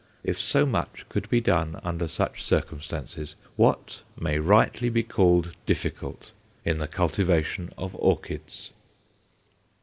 If so much could be done under such circumstances, what may rightly be called difficult in the cultivation of orchids?